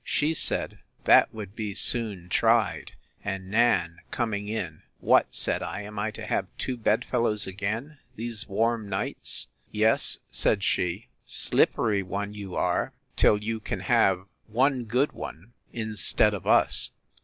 —She said, That would be soon tried; and Nan coming in, What! said I, am I to have two bed fellows again, these warm nights? Yes, said she, slippery one, you are, till you can have one good one instead of us.